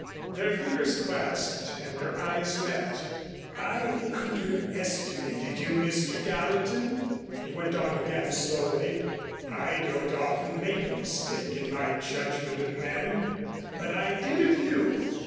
Their fingers clasped and their eyes met. "I underestimated you, Mr. Gallatin," he went on again slowly. "I don't often make a mistake in my judgment of men, but I did of you.